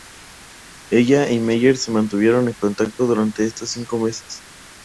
Ella y Meyer se mantuvieron en contacto durante estos cinco meses.